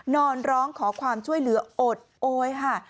ร้องขอความช่วยเหลืออดโอยค่ะ